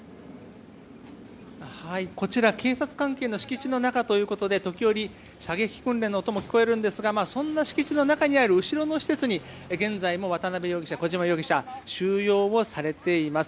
こちら、警察関係の敷地の中ということで時折、射撃訓練の音も聞こえるんですがそんな敷地の中にある後ろの施設に現在も渡邉容疑者、小島容疑者が収容されています。